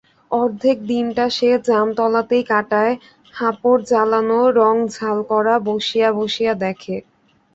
অর্ধেক দিনটা সে জামতলাতেই কাটায়-হাপর জ্বালানো, রং ঝাল করা বসিয়া বসিয়া দেখে।